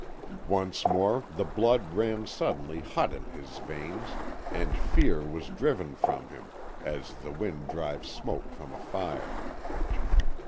Once more the blood ran suddenly hot in his veins, and fear was driven from him as the wind drives smoke from a fire.